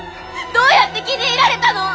どうやって気に入られたの！？